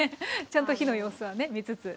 ちゃんと火の様子はね見つつ。